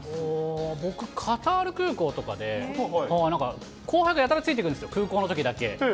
僕、カタール空港とかで、後輩がやたらついてくるんですよ、空港のときだけ。